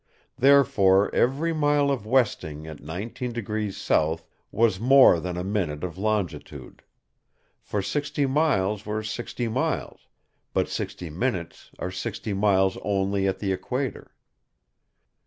Therefore, every mile of westing at 19° south was more than a minute of longitude; for sixty miles were sixty miles, but sixty minutes are sixty miles only at the equator.